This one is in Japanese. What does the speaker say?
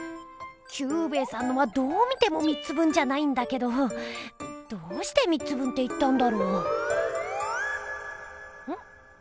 キュウベイさんのはどう見ても３つ分じゃないんだけどどうして３つ分って言ったんだろう？ん？